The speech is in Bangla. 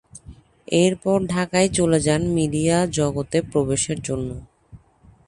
এর পর ঢাকায় চলে যান মিডিয়া জগতে প্রবেশের জন্য।